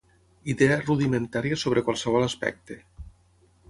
Idea rudimentària sobre qualsevol aspecte.